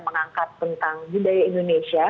mengangkat tentang budaya indonesia